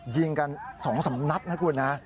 ยิงกันสองสำนักนะครับคุณฮะ